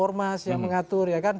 ormas yang mengatur